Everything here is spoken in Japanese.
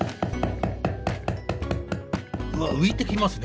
うわっ浮いてきますね